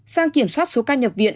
sang kiểm soát số ca nhập viện